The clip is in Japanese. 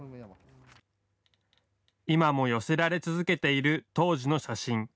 今も寄せられ続けている当時の写真。